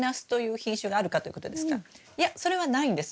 いやそれはないんです。